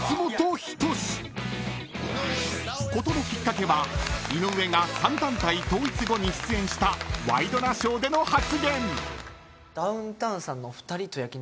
［事のきっかけは井上が３団体統一後に出演した『ワイドナショー』での発言］